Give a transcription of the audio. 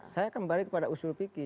saya akan balik kepada usul pikir